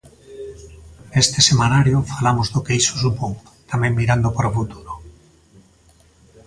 Neste semanario falamos do que iso supón, tamén mirando para o futuro.